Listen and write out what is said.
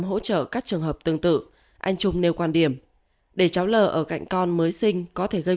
hỗ trợ các trường hợp tương tự anh trung nêu quan điểm để cháu l ở cạnh con mới sinh có thể gây